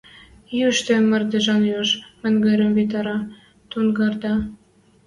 Ӱштӹ мардежӓн йож монгырым витӓрӓ, туртангда.